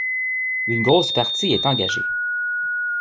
Une grosse partie est engagée.